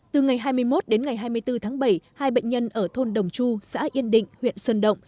từ ngày hai mươi một đến ngày hai mươi bốn tháng bảy hai bệnh nhân ở thôn đồng chu xã yên định huyện sơn động